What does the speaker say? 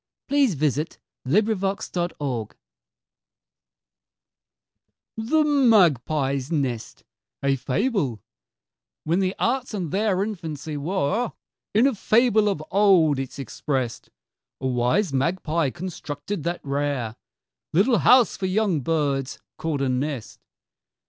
LYDIA MARIA CHILD THE MAGPIE'S NEST A FABLE When the Arts in their infancy were, In a fable of old 'tis express'd A wise magpie constructed that rare Little house for young birds, call'd a nest.